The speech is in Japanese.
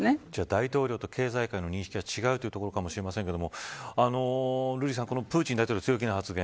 大統領と経済界の認識は違うということかもしれませんが瑠麗さんプーチン大統領の強気な発言